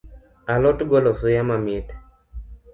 A lot golo suya mamit